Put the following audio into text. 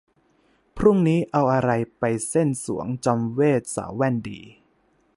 พรุ่งนี้เอาอะไรไปเซ่นสรวงจอมเวทย์สาวแว่นดี ?